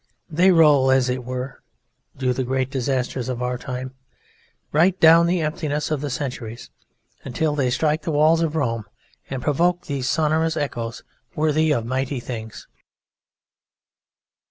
They roll as it were (do the great disasters of our time) right down the emptiness of the centuries until they strike the walls of Rome and provoke these sonorous echoes worthy of mighty things.